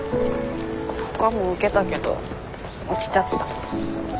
ほかも受けたけど落ちちゃった。